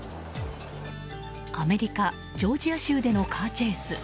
アメリカ・ジョージア州でのカーチェイス。